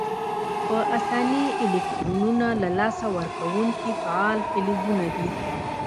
په آساني الکترونونه له لاسه ورکونکي فعال فلزونه دي.